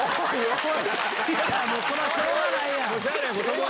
そら、しょうがないやん。